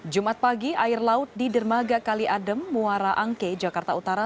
jumat pagi air laut di dermaga kali adem muara angke jakarta utara